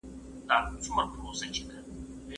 هیڅوک باید د خپلي عقیدې په خاطر ونه رټل سي.